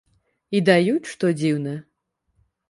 І даюць, што дзіўна.